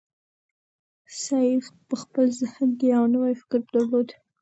سعید په خپل ذهن کې یو نوی فکر درلود.